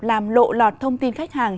làm lộ lọt thông tin khách hàng